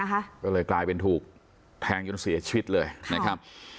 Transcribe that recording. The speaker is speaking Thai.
ก็เลยกลายเป็นถูกแทงจนเสียชีวิตเลยนะครับ